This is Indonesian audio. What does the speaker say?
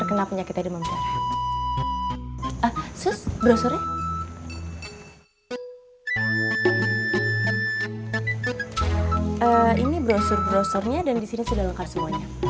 ini brosur brosurnya dan disini sedangkan semuanya